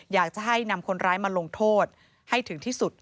อยากจะให้นำคนร้ายมาลงโทษให้ถึงที่สุด